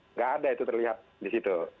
nggak ada itu terlihat di situ